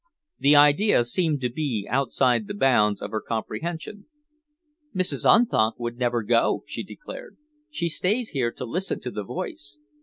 The idea seemed to be outside the bounds of her comprehension. "Mrs. Unthank would never go," she declared. "She stays here to listen to the voice.